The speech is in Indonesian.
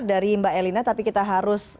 dari mbak elina tapi kita harus